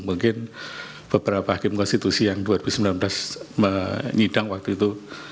mungkin beberapa hakim konstitusi yang dua ribu sembilan belas menyidang waktu itu